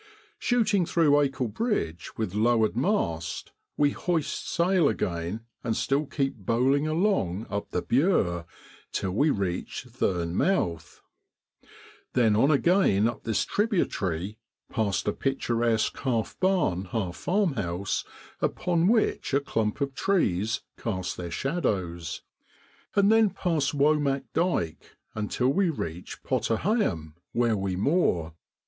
Shooting through Acle bridge with lowered mast, we hoist sail again, and still keep bowling along up the Bure until we reach Thurne mouth, then on again up this tributary, past a picturesque half barn, half farmhouse, upon which a clump of trees cast their shadows, and then past Womack Dyke, until we reach Potter Heigham, where we moor.